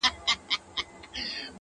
څه پوښتې چي شعر څه شاعري څنگه _